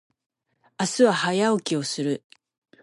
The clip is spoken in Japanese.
明日は早起きをする。